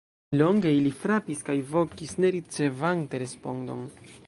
Longe ili frapis kaj vokis, ne ricevante respondon.